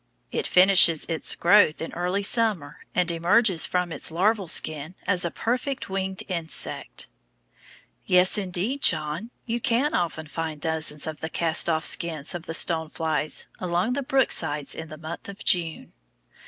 It finishes its growth in early summer, and emerges from its larval skin as a perfect winged insect. Yes, indeed, John, you can often find dozens of the cast off skins of the stone flies along the brook sides in the month of June.